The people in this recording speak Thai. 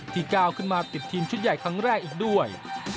ก้าวขึ้นมาติดทีมชุดใหญ่ครั้งแรกอีกด้วย